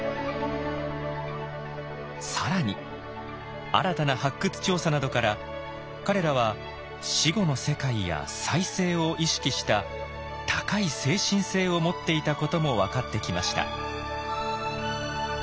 更に新たな発掘調査などから彼らは「死後の世界」や「再生」を意識した高い精神性を持っていたことも分かってきました。